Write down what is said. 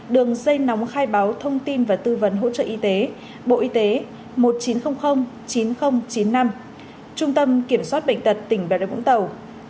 đường dây nóng khai báo thông tin và tư vấn hỗ trợ y tế bộ y tế một chín không không chín không chín năm trung tâm kiểm soát bệnh tật tỉnh bà rịa vũng tàu chín trăm sáu mươi hai năm trăm một mươi năm nghìn năm trăm bảy mươi bảy